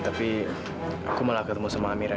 tapi aku malah ketemu sama amira